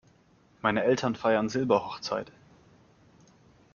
Meine Eltern feiern Silberhochzeit.